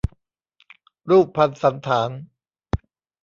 รูปพรรณสัณฐาน